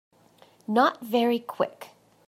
Not very Quick.